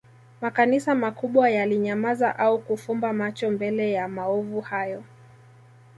Makanisa makubwa yalinyamaza au kufumba macho mbele ya maovu hayo